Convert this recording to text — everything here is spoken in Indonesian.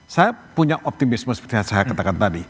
saya punya optimisme seperti yang saya katakan tadi